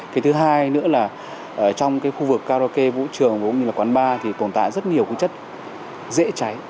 cái thứ hai nữa là trong cái khu vực karaoke vũ trường cũng như là quán bar thì tồn tại rất nhiều cái chất dễ cháy